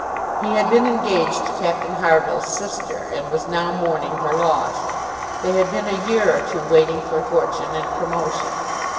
He had been engaged to Captain Harville's sister, and was now mourning her loss. They had been a year or two waiting for fortune and promotion.